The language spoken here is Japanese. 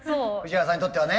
藤原さんにとってはね。